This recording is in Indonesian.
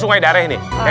sungai dareh nih